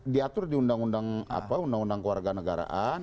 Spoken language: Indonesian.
diatur di undang undang keluarga negaraan